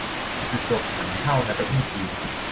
จุดจบ ถั่งเช่า ในประเทศจีน